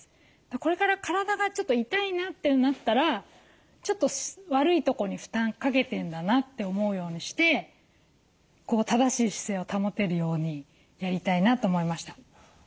これから体がちょっと痛いなってなったらちょっと悪いとこに負担かけてんだなって思うようにして正しい姿勢を保てるようにやりたいなと思いました。